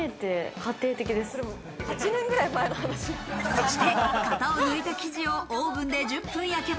そして型を抜いた生地をオーブンで１０分焼けば。